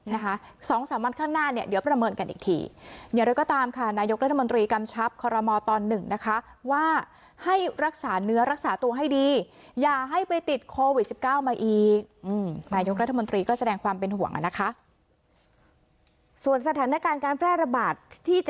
นะคะสองสามวันข้างหน้าเนี่ยเดี๋ยวประเมินกันอีกทีอย่างนี้